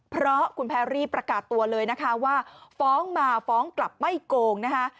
เพราะคุณแพรรี่ประกาศตัวเลยนะคะว่าฟ้องมาฟ้องกลับไม่โกงนะคะ